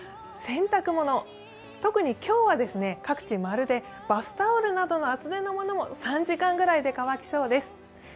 洗濯物、特に今日は各地○でバスタオルなどの厚手のものも３時間ぐらいで乾きそうです。